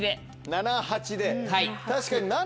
７８で確かに。